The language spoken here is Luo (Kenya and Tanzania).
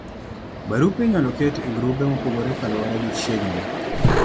barupe inyalo ket e grube mopogore kaluwore gi chiegni